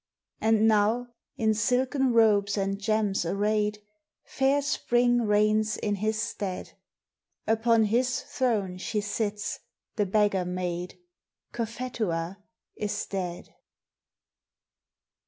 And now, in silken robes and gems arrayed, Fair Spring reigns in his stead. Upon his throne she sits, the beggar maid "Cophetua" is dead.